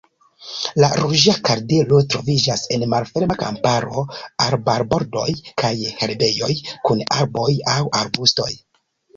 La Ruĝa kardelo troviĝas en malferma kamparo, arbarbordoj kaj herbejoj kun arboj aŭ arbustoj.